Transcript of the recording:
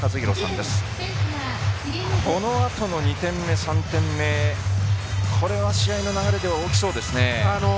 このあとの２点目、３点目これは試合の流れ大きそうですね。